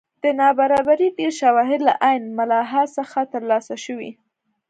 د نابرابرۍ ډېر شواهد له عین ملاحا څخه ترلاسه شوي.